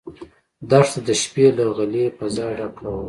دښته د شپې له غلې فضا ډکه ده.